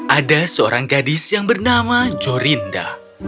ada seorang gadis yang bernama jorinda